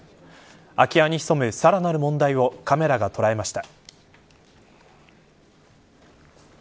空き家にひそむさらなる問題をカメラが捉えました。